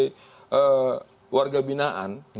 sebagai warga binaan